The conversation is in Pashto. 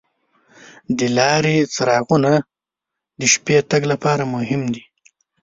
د لارې څراغونه د شپې تګ لپاره مهم دي.